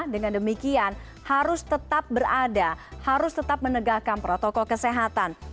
dengan demikian harus tetap berada harus tetap menegakkan protokol kesehatan